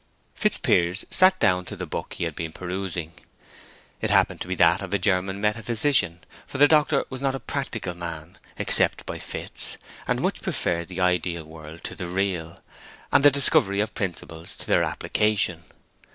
Fitzpiers sat down to the book he had been perusing. It happened to be that of a German metaphysician, for the doctor was not a practical man, except by fits, and much preferred the ideal world to the real, and the discovery of principles to their application.